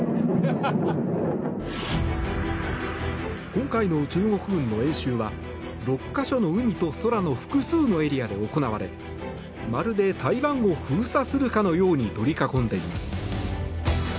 今回の中国軍の演習は６か所の海と空の複数のエリアで行われまるで台湾を封鎖するかのように取り囲んでいます。